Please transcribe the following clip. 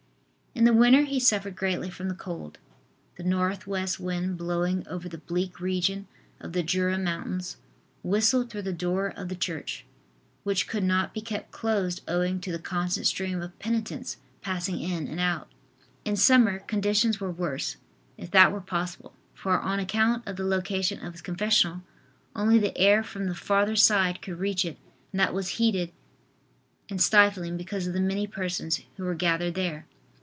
In the winter he suffered greatly from the cold. The north west wind blowing over the bleak region of the Jura mountains, whistled through the door of the church, which could not be kept closed owing to the constant stream of penitents passing in and out. In summer, conditions were worse, if that were possible, for on account of the location of his confessional, only the air from the farther side could reach it and that was heated and stifling because of the many persons who were gathered there.